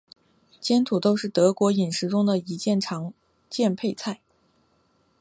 煎土豆是德国饮食中一道常见的配菜。